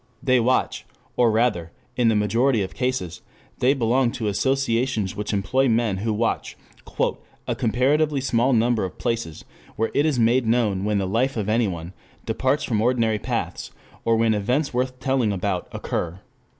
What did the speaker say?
They watch, or rather in the majority of cases they belong to associations which employ men who watch "a comparatively small number of places where it is made known when the life of anyone... departs from ordinary paths, or when events worth telling about occur.